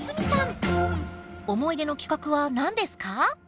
思い出の企画は何ですか？